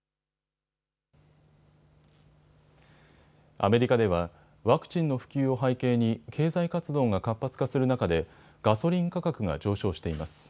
アメリカではワクチンの普及を背景に経済活動が活発化する中でガソリン価格が上昇しています。